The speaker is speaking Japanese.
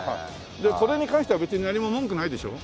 でこれに関しては別に何も文句ないでしょ？